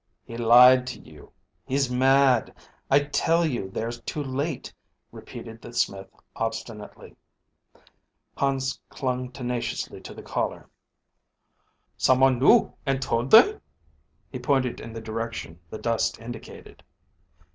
"He lied to you. He's mad. I tell you they're too late," repeated the smith, obstinately. Hans clung tenaciously to the collar. "Some one knew and told them?" He pointed in the direction the dust indicated.